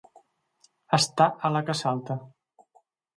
Estar a la que salta.